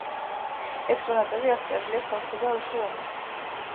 ექსპონატები აღწერილია სომხურ და რუსულ ენებზე.